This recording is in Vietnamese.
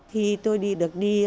thì tôi đi được đi